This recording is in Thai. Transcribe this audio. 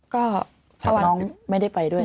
ก็พระวัติกิจน้องไม่ได้ไปด้วย